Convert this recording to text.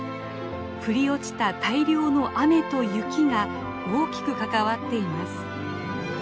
降り落ちた大量の雨と雪が大きく関わっています。